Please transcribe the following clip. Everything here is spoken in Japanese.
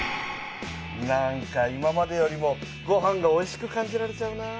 なんか今までよりもごはんがおいしく感じられちゃうなあ。